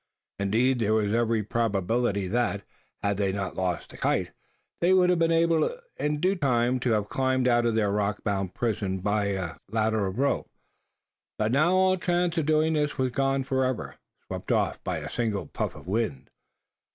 Indeed, there was every probability that, had they not lost that kite, they would have been able in due time to have climbed out of their rock bound prison by a ladder of rope; but now all chance of doing so was gone for ever swept off by a single puff of wind.